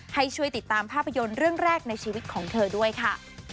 ให้ช่วยติดตามภาพยนตร์เรื่องแรกในชีวิตของเธอด้วยค่ะ